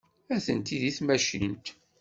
Atenti deg tmacint.